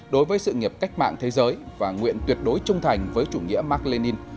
đối với sự nghiệp cách mạng thế giới và nguyện tuyệt đối trung thành với chủ nghĩa mark lenin